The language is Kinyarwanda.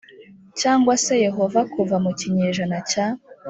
Cyangwa se yehova kuva mu kinyejana cya